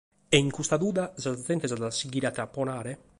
E cun custa duda sa gente a s’at a sighire a tamponare?